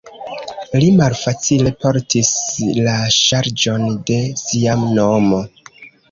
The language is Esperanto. Li malfacile portis la ŝarĝon de sia nomo.